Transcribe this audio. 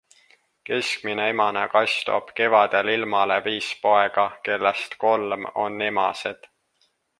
Keskmine emane kass toob kevadel ilmale viis poega, kellest kolm on emased.